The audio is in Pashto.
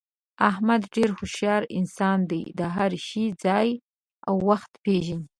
احمد ډېر هوښیار انسان دی، د هر شي ځای او وخت پېژني.